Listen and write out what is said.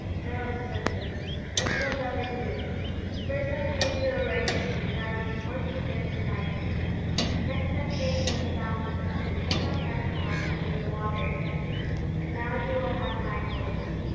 "No," said Boots, "this will never do; first I came to a raven, and I was forced to give him my food; next I came to a salmon, and him I had to help into the water again; and now you will have my horse.